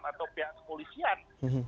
atau pihak polisian